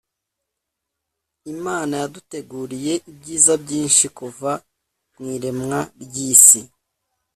Imana yaduteguriye ibyiza byinshi kuva mu iremwa ry’isi